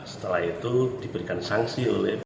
setelah itu diberikan sanksi oleh